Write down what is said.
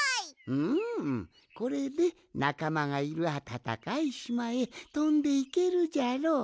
うむこれでなかまがいるあたたかいしまへとんでいけるじゃろう。